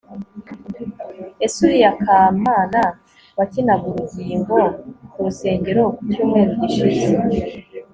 ese uriya kamana wakinaga urugingo ku rusengero ku cyumweru gishize